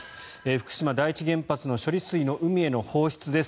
福島第一原発の処理水の海への放出です。